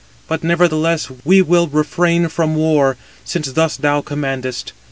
But nevertheless, we will refrain from war, since thus thou commandest.